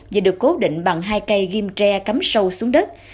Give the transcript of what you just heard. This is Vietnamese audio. và được cố định bằng hai cây ghim tre cắm sâu xuống đất